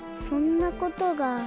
そんなことが。